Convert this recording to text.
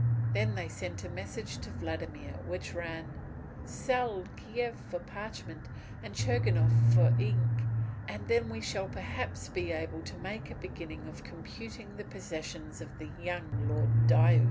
Then they sent a message to Vladimir which ran: "Sell Kiev for parchment and Chernigof for ink, and then we shall perhaps be able to make a beginning of computing the possessions of the young Lord Diuk."